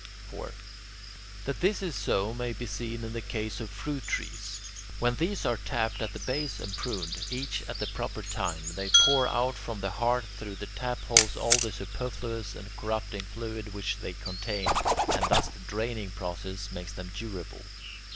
4. That this is so may be seen in the case of fruit trees. When these are tapped at the base and pruned, each at the proper time, they pour out from the heart through the tapholes all the superfluous and corrupting fluid which they contain, and thus the draining process makes them durable.